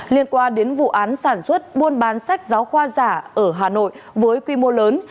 liên quan đến vụ án sản xuất buôn bán sách giáo khoa giả ở hà nội với quy mô lớn